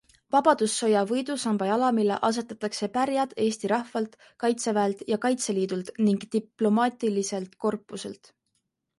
Vabadussõja võidusamba jalamile asetatakse pärjad eesti rahvalt, kaitseväelt ja Kaitseliidult ning diplomaatiliselt korpuselt.